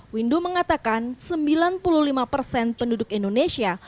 windu mengatakan sembilan puluh lima persen penduduk indonesia